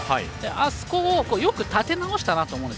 あそこをよく立て直したなと思うんです。